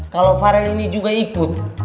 kalau farel ini juga ikut